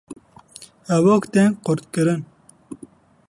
Hevok tên kurtkirin